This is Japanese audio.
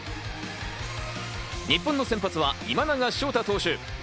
日本の先発は今永昇太投手。